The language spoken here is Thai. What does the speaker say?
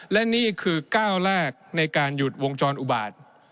และนี่คือก้าวแรกในการหยุดวงจรอุบาต